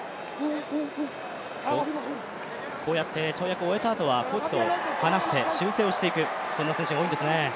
こうやって跳躍を終えたあとはコーチと話して修正をしていく、そんな選手が多いですね。